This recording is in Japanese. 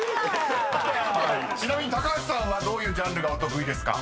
［ちなみに高橋さんはどういうジャンルがお得意ですか？］